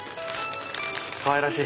かわいらしい！